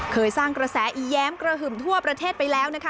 เคยสร้างกระแสอีแย้มกระหึ่มทั่วประเทศไปแล้วนะคะ